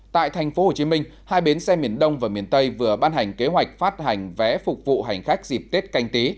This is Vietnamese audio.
tại thành phố hồ chí minh hai bến xe miền đông và miền tây vừa ban hành kế hoạch phát hành vé phục vụ hành khách dịp tết canh tí